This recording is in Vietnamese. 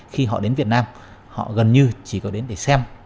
khi họ đến việt nam họ gần như chỉ có đến để xem